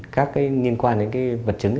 các cái liên quan đến cái vật chứng